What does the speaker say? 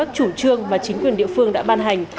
phương mà chính quyền địa phương đã ban hành